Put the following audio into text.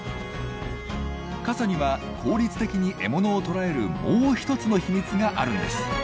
傘には効率的に獲物を捕らえるもう一つの秘密があるんです。